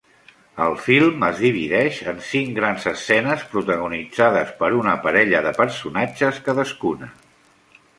El film es divideix en cinc grans escenes protagonitzades per una parella de personatges cadascuna.